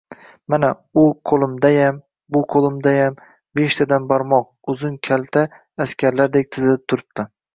Mana, u qo‘limdayam, bu qo‘limdayam beshtadan barmoq uzun-kalta askarlardek tizilib turibdi